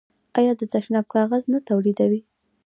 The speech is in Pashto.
آیا د تشناب کاغذ نه تولیدوي؟